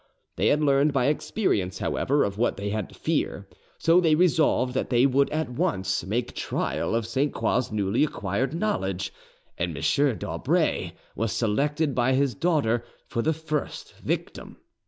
They had learned by experience, however, of what they had to fear; so they resolved that they would at once make trial of Sainte Croix's newly acquired knowledge, and M. d'Aubray was selected by his daughter for the first victim.